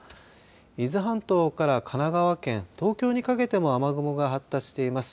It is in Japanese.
伊豆半島から神奈川県東京にかけても雨雲が発達しています。